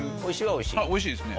おいしいですね。